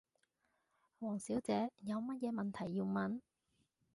王小姐，有乜嘢問題要問？